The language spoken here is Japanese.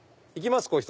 行きます？